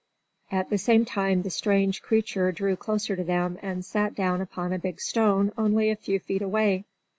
At the same time the strange creature drew closer to them and sat down upon a big stone only a few feet away.